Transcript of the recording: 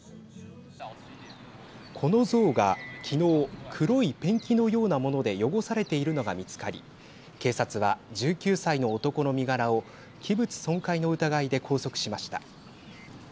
この像が、きのう黒いペンキのようなもので汚されているのが見つかり警察は１９歳の男の身柄を器物損壊の疑いで拘束しました。